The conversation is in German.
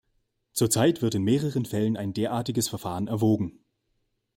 Zurzeit wird in mehreren Fällen ein derartiges Verfahren erwogen.